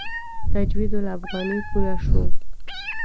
تجوید الافغاني پوره شو.